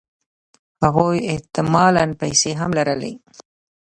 هغوی احتمالاً پیسې هم لرلې